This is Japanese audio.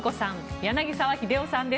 柳澤秀夫さんです。